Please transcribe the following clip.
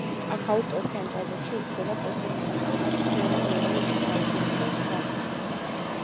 აქაურ ტორფიან ჭაობებში იზრდება კოლხური მცენარეებიც: შქერი, იელი, ეკალღიჭი და სხვა.